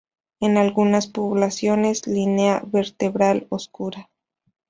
En algunas poblaciones línea vertebral oscura.